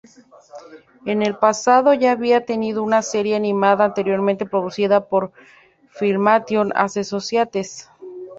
En el pasado ya había tenido una serie animada anterior producida por Filmation Associates.